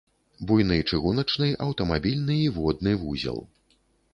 Буйны чыгуначны, аўтамабільны і водны вузел.